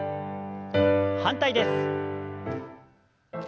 反対です。